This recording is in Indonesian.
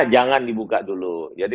jangan dibuka dulu jadi